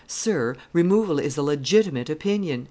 "Sir, removal is a legitimate opinion."